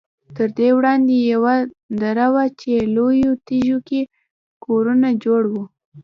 تر دې وړاندې یوه دره وه چې لویو تیږو کې کورونه جوړ وو.